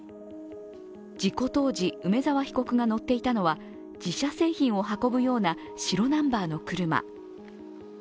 事故当時、梅沢被告が乗っていたのは自社製品を運ぶような白ナンバーの車。